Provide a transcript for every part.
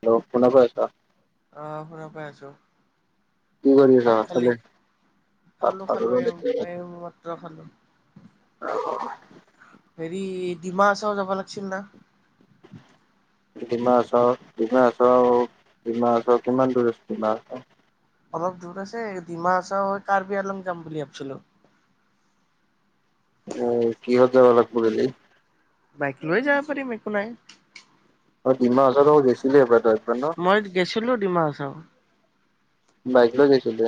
Hello শুনা পাইছা আহ শুনা পাই আছো কি কৰি আছা? ভাত খালি ভাত খালো খালো ৰ এওঁ এইমাত্ৰ খালো হেৰি ডিমাহাচাও যাব লাগিছিল না ডিমাহাচাও ডিমাহাচাও কিমান দূৰ আছে ডিমাহাচাও অলপ দূৰ আছে ডিমাহাচাও কাৰ্বি আংলং যাম বুলি ভাবিছিলো আহ কি হত যাব লাগিব দিলি বাইক লৈ যাব পাৰিম একো নাই অ কিমান [unintelligible] গেছিলিল ব ন [inaudible] চাও বাইক লৈ গৈছিলে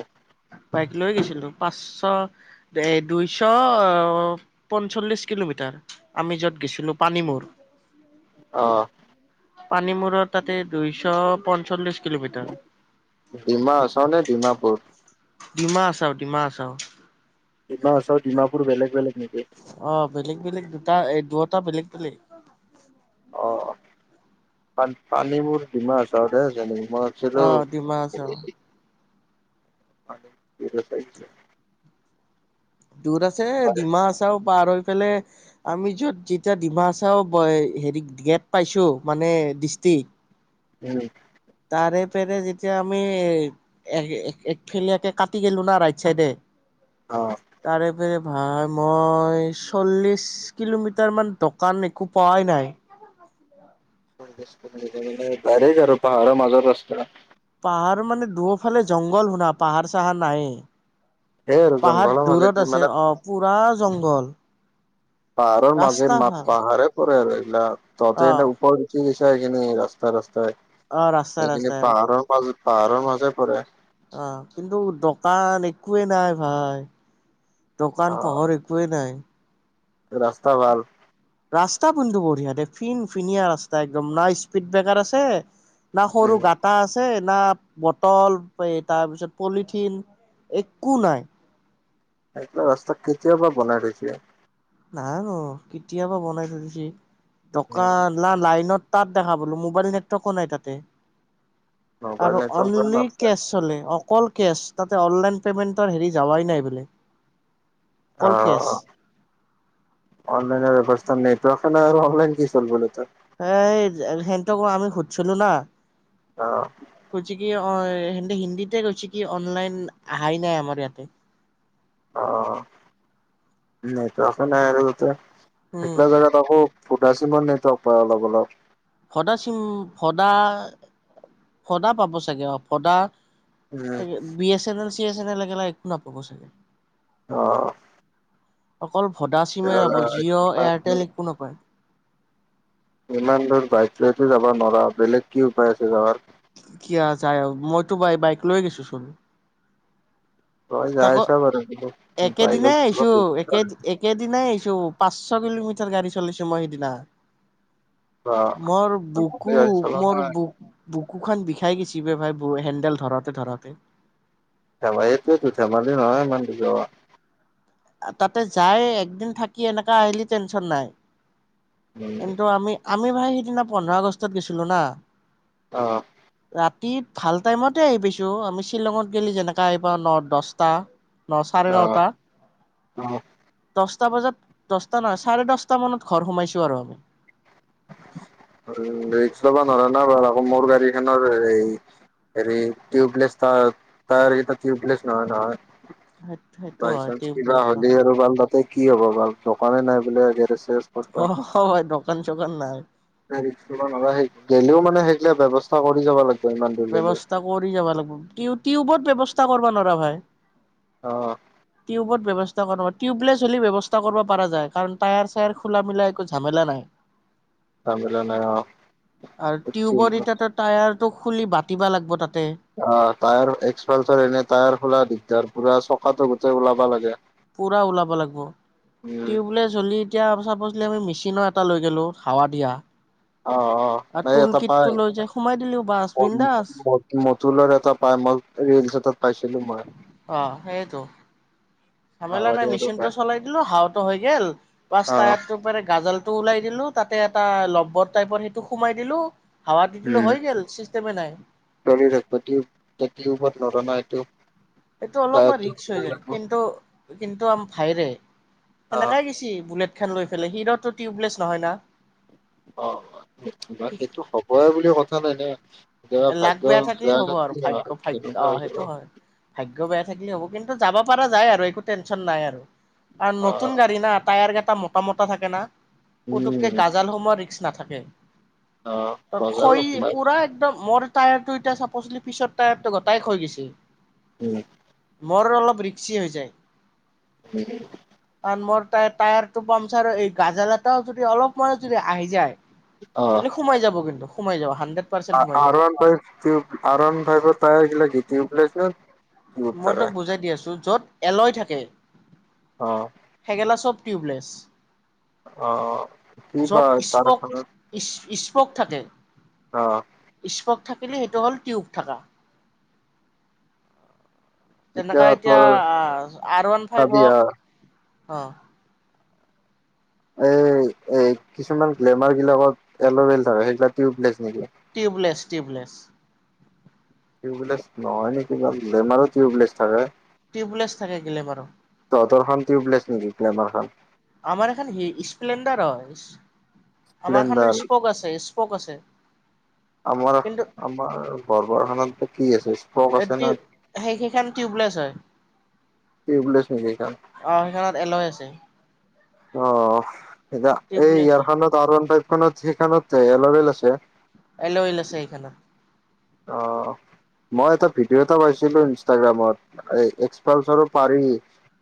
বাইক লৈ গৈছিলো পাঁচশ দুইশ পঞ্চল্লিশ কিলোমিটাৰ আমি য'ত গৈছিলো পানীমূৰ আহ পানী মূৰত তাতে দুইশ পঞ্চল্লিশ কিলোমিটাৰ। ডিমাহাচাও নে ডিমাপুৰ ডিমাহাচাও ডিমাহাচাও ডিমাহাচাও ডিমাপুৰ বেলেগ বেলেগ নেকি? অ বেলেগ বেলেগ দুটা এই দু টা বেলেগ বেলেগ পান পানী মোৰ ডিমাহাচাওতে যেনি মই ভাবিছিলো অ', ডিমা হাছাও। চাই [unintelligible] দূৰ আছে ডিমাহাচাও পাৰ হৈ পেলাই আমি যত যেতিয়া ডিমাহাচাও হেৰি গেট পাইছো মানে ডিষ্ট্ৰিক উম তাৰে পাৰে যেতিয়া আমি একফেল একে কাটি গেলো না ৰাইট চাইডে অ তাৰে পেৰে ভাই মই চল্লিছ কিলোমিটাৰমান দোকান একো পোৱাই নাই বাৰেজ আৰু পাহাৰা মাজৰ ৰাস্তা পাহাৰ মানে দুয়ফালে জংঘল শুনা পাহাৰ চাহাৰ সেই আৰু নাইয়ে পাহাৰ জংঘলৰ মাজেদি দূৰত মানে আছে আহ পুৰা জংঘল পাহাৰৰ মাজে ৰাস্তা মা ভাল পাহাৰে হয় ততে অ এটা উপৰ কি কিন ৰাস্তা ৰাস্তা [unintelligible] হয় অ ৰাস্তা ৰাস্তা সেইপিনে পাহাৰৰ পৰা পাহাৰৰ মাজৰ পৰা আহ কিন্তু দোকান একোৱেই নাই ভাই দোকান অ পহৰ একোই নাই ৰাস্তা ভাল ৰাস্তা বিন্তু বঢ়িয়া দে ফিন ফিনীয়া ৰাস্তা একদম নাই স্পীড ব্ৰেকাৰ আছে না সৰু উম গাটা আছে না বটল এই তাৰ পিছত পলিথিন একো নাই এইিলা ৰাস্তা কেতিয়াবা বনাই থৈছে নাই নো কেতিয়াবা বনাই থ দিছি টকা উম না লাইনত তাত দেখা বলো মোবাইল নটৱৰ্কো নাই তাতে মোবাইল আৰু নেটৱৰ্ক ভাল অনলি নাপায় কেচ হলে অকল কেচ তাতে অনলাইন পেমেন্টৰ হেৰি যাৱাই নাই বোলে। অকল কেচ অ অনলাইনৰ ব্যৱস্থা নাই তে আৰু অনলাইন কি চল ব ত হ সেনতক আমি ঘটছিলো ন আহ অ' স হিন্দীতে গৈছে কি অনলাইন অহাই নাই আমাৰ ইয়াতে অ' নটো আছে নাই আৰু উম এইগ্লা জাদাত আকৌ ফুটাচি মান নেটক পাই অলপ অলপ। ভদা চিম ভদা ভদা পাব চাগে অ' ভদা উম বি এছ এন এল চি এছ এন এল একেলা শু নাপাব চাগে। আহ অকল ভদা চিমে ৰ'ব জিঅ' ইমান দূৰ এয়াৰটেল একো নাপায় ইমান দূৰ বাইক লৈটো যাব নোৱাৰা। বেলেগ কি উপায় আছে যাবাৰ? কি আছে মইতো বাই বাইক লৈ গৈছো চোন তই যাই তাকৌ আছা বাৰু কিন্তু বাইকত একেদিনাই আহিছো গাড়ী একে একেদিনাই আহিছোঁ পাঁচশ কিলোমিটাৰ গাড়ী চলিছো মই সেইদিনা। মোৰ বুকু চলা মোৰ নাই বু বুকু খান বিষাই গেছি বে ভাই হেণ্ডেল ধৰাতে ধৰাতে ধেমীটোয়ো [inaudible] ধেমালি নহয় ইমান দুজ তাতে যাই একদিন থাকি এনেকা আহিলি টেনচন নাই কিন্তু আমি আমি ভাই সিদিনা পোন্ধৰ আগষ্টত গৈছিলোঁ‌ না আহ ৰাতি ভাল টাইমতে আহি পাইছোঁ আমি শ্বিলঙত গেলি যেনেকা আহিপাওঁ ন দহটা ন চাৰে নটা অ' দহটা বজাত দহটা নহয় চাৰে দহটা মানত ঘৰ সোমাইছো আৰু আমি ল'ব নহয় নহয় বাৰু আকৌ মোৰ গাড়ীখনৰ হ হেৰি টিউবলেছ টায়াৰকেইটা টিউবলেছ নহয় নহয় সেইটো বাই হয় চান্স কিবা টিউবলেছ হ'লেই নহয় আৰু ভাল তাতে কি হ'ব বাৰ দোকানে নাই বোলে আগে অ' হয় দক। দোকান চোকান নাই গলেও মানে সেইগিলা ব্যৱস্থা কৰি যাব লাগে ব্যৱস্থা কৰি যাব লাগিব কি টিউবৰ ব্যৱস্থা কৰিব নোৱাৰা ভাই অ', টিউবৰ ব্যৱস্থা টিউবলেছ হলে ব্যৱস্থা কৰিব পৰা যায় কাৰণ টায়াৰ চায়াৰ খোলা মেলা একো ঝামেলা নাই জামেলা নাই আৰু টিউবৰ এতিয়াতো টায়াৰটো খুলি বাতিব লাগিব তাত অ টায়াৰ এক্সপালচাৰ এনে টায়াৰ খোলা দিগদাৰ পূৰা চকাটো গোটেই ওলাবা লাগে পুৰা ওলাব লাগিব উম, টিউবলেচ হলে এতিয়া আমি মেচিনৰ এটা লৈ গেলো হাৱা দিয়া অ অ আৰু এই টুল এটা পাই কিটটো লৈ যাই সোমাই দিলো বাছ বিন্দাছ মতুলৰ এটা পাই মই ৰিলছ এটাত পাইছিলো মই অ সেইটো জামেলা নাই হাৱাৰীয়াটো মেচিনটো পাই। চলাই দিলো হাঁওটো হৈ গল অ', পাচতায়াটো মানে গাজল টো ওলাই দিলো তাতে এটা লব্বৰ টাইপৰ সেইটো সোমাই দিলো হাৱা দি দিলো হৈ গল তেমে নাই ধৰি ৰাখতি উমত নৰা ন এইটো এইটো অলপমান টায়াৰটো ৰিক্স হৈ যায় লাগিব। কিন্তু কিন্তু আম ভাইৰে অ', তেনেকাই গৈছি বুলেট খন লৈ পেলাই হিৰতটো টিউবলেছ নহয় না অ সেইটো হবই বুলি কথা নাই ন কেতিয়াবা লাগ ভাগ্য বেয়া থাকিলে হ'ব আৰু ভাগ্য ভাগ্য কেনেকুৱা অ হৈ যাব সেইটো হয় ভাগ্য বেয়া থাকিলে হ'ব কিন্তু যাব পৰা যায় আৰু একো টেনশ্যন নাই আৰু আৰু নতন অ', গাড়ী না টায়াৰ গাড টা মত মতা থাকে না পুতুককে গাজাল সোমোৱা ৰিক্স নাথাকে হয় অঁ গজাল নোসোমায়। মই টায়াৰ টো এতিয়া চাপছিলি পিছত টায়াৰ টো গট খৈ গৈছিল উম বৰ অলপ ৰিক্সি হৈ যায় উম কাৰণ মোৰ ত টায়াৰ টো পামচাৰ এই গাজাল এটাও যদি অলপ মই যদি আহি যায়। এনে সোমাই যাব কিন্তু সোমাই যাব হানডেত আণ ভাই আণ ভাই তাই আহছিলে গীত [inaudible] জউ প্লেছো মই তাক বুজাই দি আছোঁ‌। য'ত এলৈ থাকে। অ', সেইগেলা চব। টউবলেছ। অহ কি ভ স্পক তাৰখ [inaudible] স্পক থাকে অহ স্পক থাকিলে সেইটো হ'ল টিউব থকা। তেনেকা এতিয়া আৰ ওৱান ফাইভ চাবি হা হওঁ‌ক। অ' এ এ কিছুমান গ্লেমাৰ বিলাকত এলভেল ধ সেইগিলাক টিউবলে টিউবলেছ টিউবেপলেছ টিউবলেছ নহয় নেকি গেলেমাৰো টিউবলেছ থাকে টিউবলেছ থাকে গেলেমাৰ বাৰু তহতৰ খন টিউবলেছ নেকি গ্লেমাৰ খান আমাৰ খন স্প্লেণ্ডাৰ হয় আমাৰ খানৰ স্প্লেণ্ডাৰ স্পক আছে, স্পক আছে। আমাৰ কিন্তু আমাৰ বৰবাৰখানাত কি আছে? স্পক আছে না সেইকেইখন টিউবলেছ হয়। টিউবেছ নে গেই কাম অ সেইখনত এলয় আছে অ' এ টিউবলেছ হয় এইযাখনত আৰ ওৱান ফাব সিখনত সেইখনত এলৰেল আছে। এল ইলছেই খনত অ' মই এটা ভিডিঅ' এটা পাইছিলো। ইনষ্টাগ্ৰামত এক্সপালচাৰো পাৰি।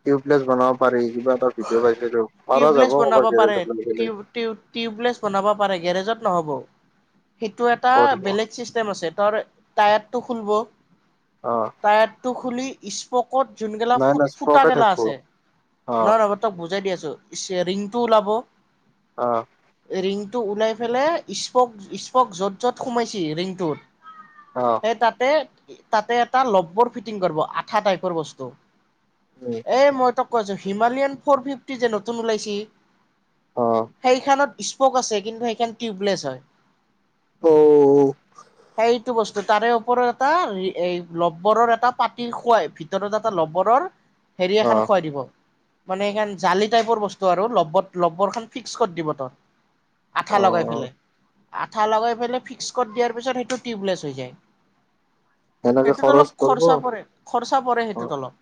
টিউবলেছ বনাব পাৰি। কিবা এটা ভিডিঅ' পাইছিলো পাৰা যাব টিউবলেছ বনাব ক'ৰবাত পাৰে। গেৰেজত লৈ গেলে টিউ টিও টিউবলেছ বনাব পাৰে গেৰেজত। হ'ব। সেইটো এটা অ বেলেগ চিষ্টেম আছে। তাৰ টাত টো খুলব [inaudible] টায়াৰটো খুলি স্প'ক 'ত যোন গেলা নাই ফুট নাই ফুটা স্পকে গেলা থাকিব আছে অ নহয় নহয় তক বুজাই দি আছোঁ‌। ৰিংটো ওলাব। আহ টো ওলাই পেলে স্পক স্পক য'ত য'ত সোমাইছে ৰিংটোত অ সেই তাতে তাতে এটা লব্বৰ ফিটিং কৰিব আঠা টাইপৰ বস্তু উম এ মই তো কজ হিমালয়ান ফ'ৰ ফিফটি যে নতুন ওলাইছে। অ সেইখনত আছে কিন্তু সেইখন টউবলেছ হয়। অ সেই টো বস্তু তাৰে ওপৰত এটা এই লবৰৰ এটা পতিৰ খোৱাই ভিতৰত এটা লবৰৰ। হেৰি অ এখন খুৱাই দিব। মানে স জালি টাইপৰ বস্তু আৰু ল্ব লব্বৰ ফিক্স কৰি দিব তাত আঠা অ লগাই পেলায়। আঠা লগাই পেলাই ফিক্স কৰি দিয়াৰ পিছত সেইটো টিউবলেছ হৈ যায়। সেনেকে এইটোত খৰচ অলপ কৰব খৰচা পৰে খৰচা পৰে। অ সেইটোত অলপ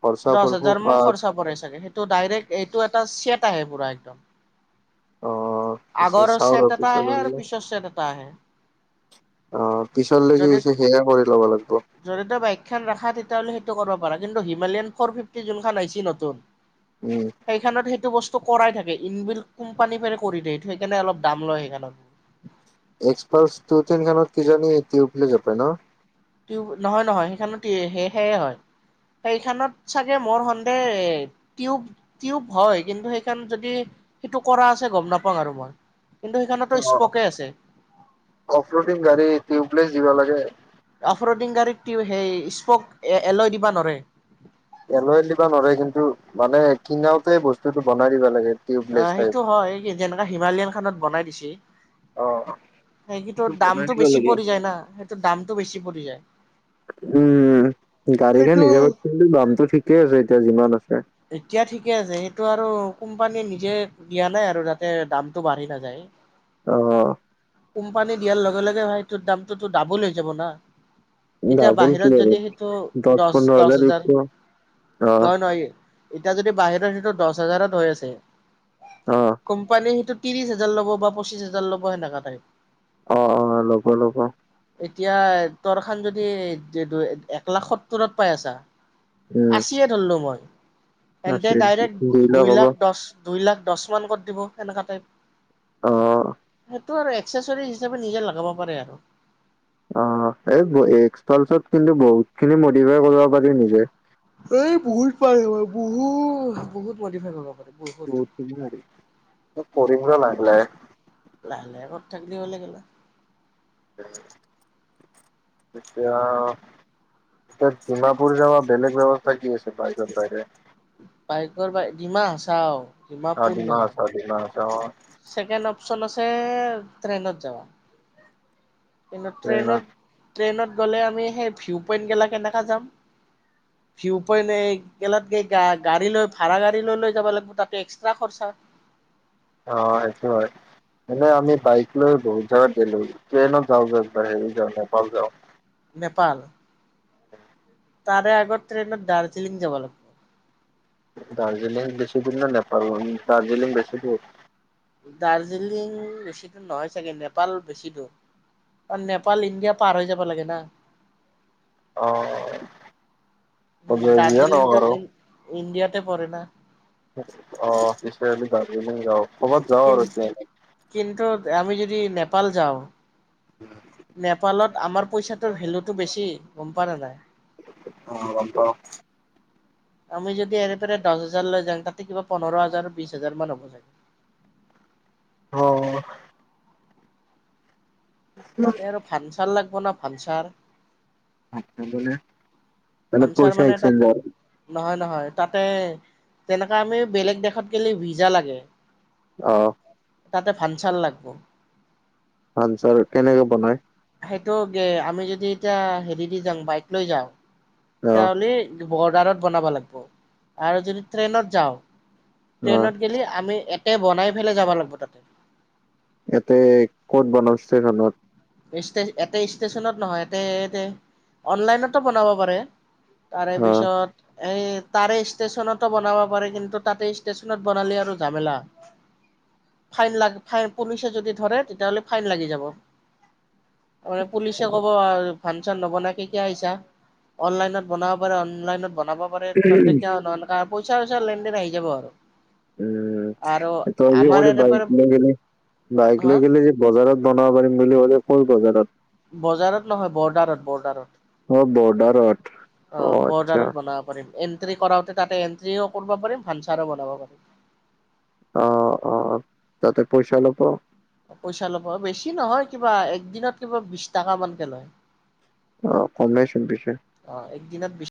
খৰচা দহ কৰব হাজাৰ বা মান। চাগে সেইটো ডাইৰেক্ট এইটো এটা চেট আহে পুৰা একদম। আহ পিছে আগৰ চাও ছেট আৰু এটা পিছে আহে আৰু পিছৰ ছেট এটা আহে আহ পিছলৈ যদি কিছে সেয়াই কৰি ল'ব লাগিব। লে সেইটো কৰিব পাৰে কিন্তু হিমলয়ানফৰ ফিফটি যোনখন খ আহছে। কি নতুন উম সেইখনত সেইটো বস্তু। কৰাই থাকে ইনিল্ কোম্পানী কৰি দিয় সটো সেইকাৰণে অলপ দাম লয় সেইকাৰণে। এক্স পাৰছ টন খানত কি জানি উবি যাব ন? নহয় নহয় সেইখনত সেয়ে হয় সেইখনত চাগে মোৰ সন্দেহ টিউব টিউব হয় কিন্তু সেইখন যদি সেইটো কৰা আছে। গম নাপাওঁ আৰু মই। কিন্তু সেইখনতো অ' স্পকে আছে অফলডিং গাড়ী টিউবলেচ দিব লাগে। অফৰডিং গাড়ীত সেই স্পক এলৈ দিবা নৰে। এলৈ দিব নোৱাৰে কিন্তু মানে শিঙাওতে বস্তুটো বনাই দিব লাগে। টিউবলেছ আহ টাইপ সেইটো হয় কি যেনেকা হিমালয়ান খানত বনাই দিছে। অ সেই কিতো বনাই দামটো দিব বেছি লাগে পৰি যায় না সেইটো দামটো বেছি পৰি। যায়। উম গাড়ীখন সেইটো হিচাপত কিন্তু দাম টো ঠিকে আছে এতিয়া যিমান আছে এতিয়া ঠিকে আছে সেইটো আৰু কোম্পানীয়ে নিজে দিয়া নাই আৰু যাতে দামটো বাঢ়ি নাযায় আহ কোম্পানী দিয়াৰ লগে লগে হয়টো দামটোতো ডাবোল হৈ যাব না এতিয়া ডাবল কি বাহিৰত আৰু যদি সেইটো দহ দহ হাজাৰ অ নহয় নহয় এতিয়া যদি বাহিৰত সেইটো দহ হাজাৰত হৈ আছে কোম্পানীৰ সেইটোত ত্ৰিশ হাজাৰ লব বা পচিছ হাজাৰ ল'ব সেনেকা টাইপ অ অ ল'ব লব এতিয়া তৰ খান যদি এক লাখ সত্তৰত পাই আছা উম আছিয়ে ধৰিলো মই এণ্টে ডাইৰেক্ট দুই লাখ দহ দুই লাখ দহমান ক'ত দিব এেনেকুৱা টাইপ অহ টো আৰু একসেচৰ হিচাপে নিজে লগাব পাৰে আৰু অ এই এক্সপ্ৰাছত কিন্তু বহুত খিনি মডিফাই কৰিব পাৰি নিজে এই বহুত পাৰিব বহুত বহুত মডিফাই বহুত মডিফাই নিম লাগলাই [unintelligible] লাহে লাহে কত থাকিলি হলে কেলা এতিয়া এই জোনাপুৰ যাবলে বেলেগ ব্যৱস্থা কি আছে বাইকৰ বাহিৰে বাইকৰ বাই ডিমা হাছাও অ ডিমা হাছাও দিমাছ অঁ চেকেণ্ড অপচন আছে ট্ৰেইনত যোৱা কিন্তু ট্ৰেইনত ট্ৰেইনত গ'লে আমি সেই ভিউ পইন্ট গেলা কেনেকা যাম ভিউ পইণ্ট এই গেলাত গৈ গাড়ী লৈ ভাড়া গাড়ী লৈ লৈ যাব লাগিব তাত এক্সট্ৰা খৰচা অ সেইটো হয় এনে আমি বাইক লৈ বহুত জেগাত গলো ট্ৰেইনত যাওঁ বৈ হেৰি যাওঁ নেপাল যাওঁ নেপাল তাৰে আগৰ ট্ৰেইনত দাৰ্জিলিং যাব লাগিব দাৰ্জিলিং বেছি দূৰ নে নেপাল দাৰ্জিলিং বেছি দূৰ দাৰ্জিলিং বেছি দূৰ নহয় চাগে নেপাল বেছি দূৰ কাৰণ নেপাল ইণ্ডিয়া পাৰ হৈ যাব লাগে না অ উ যিয়ে নহওক দাৰ্জিলিংটো আৰু ইণ্ডি ইণ্ডিয়াতে পৰে না অ সি গ ল যওঁ [unintelligible] বহত জাবৰ হৈছে [unintelligible] মি যদি নেপাল যাওঁ নেপালত আমাৰ পইচাটোৰ ভেলুটো বেছি গম পোৱা না নাই অ'গম পাঁও। আমি যদি এৰেপৰে দহ হাজাৰ লৈ যাওঁ তাতে কিবা পোন্ধৰ হাজাৰ বিশ হাজাৰ মান হ'ব চাগে। অ'। তাতে আৰু ভান চাল লাগ ভপনা ভানচাৰ আনবলে মনে ভানচাৰ পইচা মানে তাত একসচঞ্জ যা নহয় নহয় তাতে তেনেককা আমি বেলেগ দেশত গলে ভিজা লাগে। অহ। তাতে ভাং চাল লাগিব। ভাংছাৰ কেনেকে বনায়? সেইটো গে আমি যদি এতিয়া হেৰি দি যাওঁ বাইক লৈ যাওঁ অ তাহলি বৰ্ডাৰত বনাব লাগিব আৰু যদি ট্ৰেইনত যাওঁ। অ ট্ৰেইনত গেলি আমি তাতে বনাই পেলাই যাব লাগিব তাতে ইয়াতে ক'ত বনছে ধনত। ষ্ট এ ষ্টেচনত নহয় ই অনলাইনতো বনাব পাৰে। তাৰে পিছত। এই তাৰে ষ্টেশচনতো বনাব পাৰেি কিন্তু তাতে ষ্টেশচনত বনালে আৰু ঝামেলা ফাইন লাগ ফাইন পুলিচে যদি ধৰে তেতিয়াহ'লে ফাইন লাগি যাব। তাৰ মে পুলিচে ক'ব আৰু ফাংচন নবন আহিছা অনলাইনত বনাব পাৰে অনলনত। বনাব পাৰে তে অ তেতিয়া না পইচা চইচা লেনদেন আহ যাব আৰু উম আৰু তই য আমাৰ কলে ইয়াৰে বাইক পৰা লৈ গলে বাইক হা লৈ গলে যে বজাৰত বনাব পাৰিম বুলি ক'লে। হ'ল বজাৰত। বজাৰত নহয় বৰ্ডাৰত বৰ্ডাৰত অ' বৰ্ডাৰত অ' আচ্ছা। এণ্ট্ৰি কৰাওতে তাতে এন্ট্ৰিও কৰিব পাৰিম। ভাানছাৰো বনাব পাৰিম। অ' অ' তাতে পইচা ল'ব। পইচা ল'ব। বেছি নহয় কিবা একদিনত কিবা বিশ টকা মানকে লয়। অহ কমাই চোন পিছে। কি